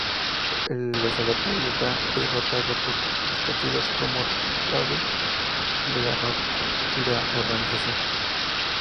El observatorio está hoy rodeado por rascacielos como resultado de la rápida urbanización.